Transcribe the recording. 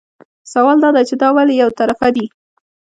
سوال دا دی چې دا ولې یو طرفه دي.